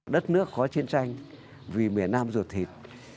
đất nước có chiến tranh vì miền nam ruột thịt